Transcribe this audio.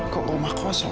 kok rumahku asal